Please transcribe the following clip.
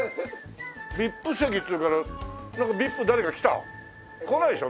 ＶＩＰ席っつうからなんかＶＩＰ誰か来た？来ないでしょ？